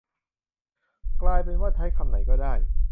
กลายเป็นว่า ใช้คำไหนก็ได้